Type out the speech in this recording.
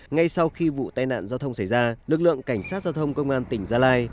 ngay sau khi vụ tai nạn giao thông xảy ra lực lượng cảnh sát giao thông công an tỉnh gia lai